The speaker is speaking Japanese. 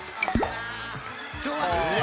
今日はですね